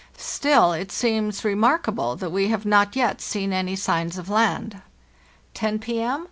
Still it seems remarkable that we have not yet seen any signs of land. 10 pm.